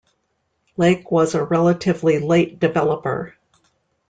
Lake was a relatively late developer.